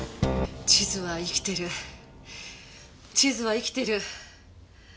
地図は生きてる地図は生きてる。